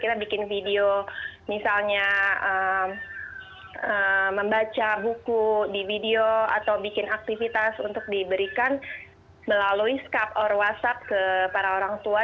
kita bikin video misalnya membaca buku di video atau bikin aktivitas untuk diberikan melalui skap ore whatsapp ke para orang tua